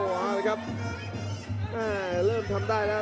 มาเลยครับเริ่มทำได้แล้ว